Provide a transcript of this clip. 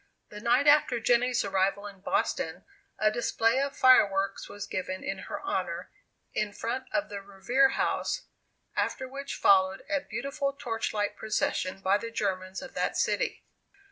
The night after Jenny's arrival in Boston, a display of fireworks was given in her honor, in front of the Revere House, after which followed a beautiful torchlight procession by the Germans of that city.